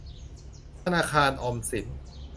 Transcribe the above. ธนาคารออมสิน